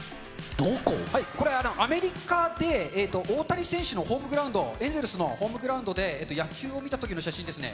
これ、アメリカで、大谷選手のホームグラウンド、エンゼルスのホームグラウンドで、野球を見たときの写真ですね。